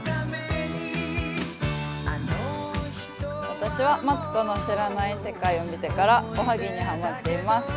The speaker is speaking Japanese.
私は「マツコの知らない世界」を見てからおはぎにハマっています。